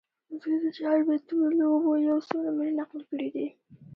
د دوي د چاربېتواو لوبو يو څو نمونې نقل کړي دي